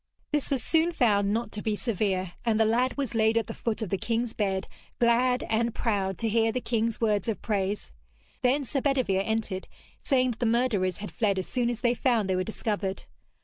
This was soon found not to be severe, and the lad was laid at the foot of the king's bed, glad and proud to hear the king's words of praise. Then Sir Bedevere entered, saying that the murderers had fled as soon as they found they were discovered.